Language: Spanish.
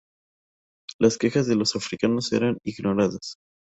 Las quejas de los africanos eran ignoradas.